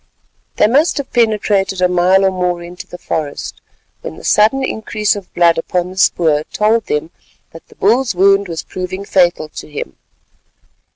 They must have penetrated a mile or more into the forest when the sudden increase of blood upon the spoor told them that the bull's wound was proving fatal to him.